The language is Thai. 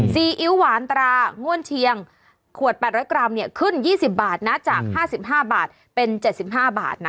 ซีอิ๊วหวานตราง่วนเชียงขวด๘๐๐กรัมเนี่ยขึ้น๒๐บาทนะจาก๕๕บาทเป็น๗๕บาทนะ